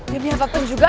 dia mihafapin juga